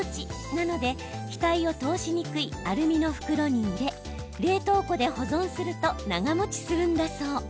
なので気体を通しにくいアルミの袋に入れ、冷凍庫で保存すると長もちするんだそう。